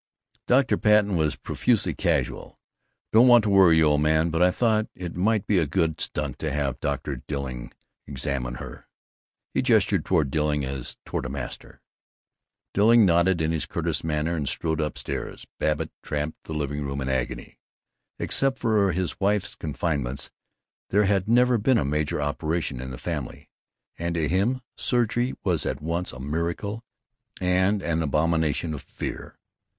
Dr. Patten was profusely casual: "Don't want to worry you, old man, but I thought it might be a good stunt to have Dr. Dilling examine her." He gestured toward Dilling as toward a master. Billing nodded in his curtest manner and strode up stairs. Babbitt tramped the living room in agony. Except for his wife's confinements there had never been a major operation in the family, and to him surgery was at once a miracle and an abomination of fear.